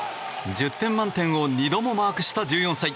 １０点満点を２度もマークした１４歳。